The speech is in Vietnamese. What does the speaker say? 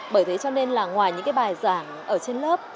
bởi thế cho nên là ngoài những cái bài giảng ở trên lớp